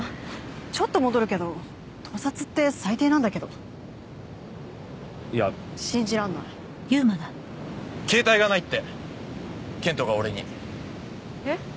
ちょっと戻るけど盗撮って最低なんだけどいや信じらんない携帯がないって健人が俺にえっ？